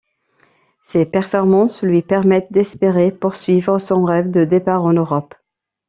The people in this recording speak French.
Ses performances lui permettent d'espérer poursuivre son rêve de départ en Europe.